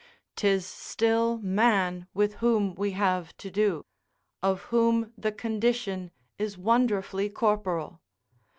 'Tis still man with whom we have to do, of whom the condition is wonderfully corporal.